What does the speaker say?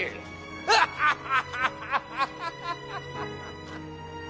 ハハハハハ！